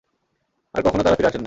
আর কখনো তারা ফিরে আসেন না।